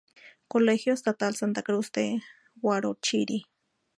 Colegio estatal Santa Cruz de Huarochirí.